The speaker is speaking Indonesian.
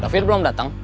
david belum datang